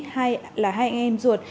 hai là hai anh em ruột